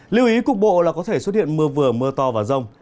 lưu ý cục bộ là có thể xuất hiện mưa vừa mưa to và rông